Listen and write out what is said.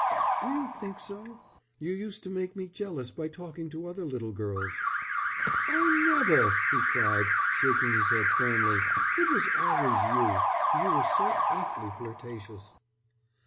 "Do you think so? You used to make me jealous by talking to other little girls." "Oh, never!" he cried, shaking his head, firmly. "It was always you. You were so awfully flirtatious."